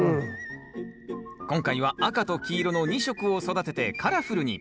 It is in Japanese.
今回は赤と黄色の２色を育ててカラフルに。